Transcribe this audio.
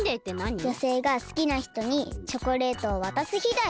じょせいがすきなひとにチョコレートをわたすひだよ。